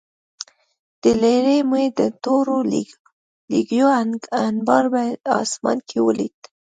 له لېرې مې د تورو لوګیو انبار په آسمان کې ولید